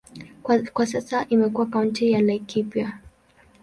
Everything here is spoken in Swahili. Kwa sasa imekuwa kaunti ya Laikipia.